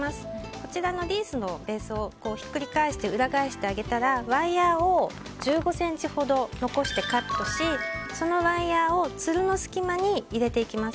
こちらのリースのベースをひっくり返して裏返してあげたらワイヤを１５ｃｍほど残してカットし、そのワイヤをつるの隙間に入れていきます。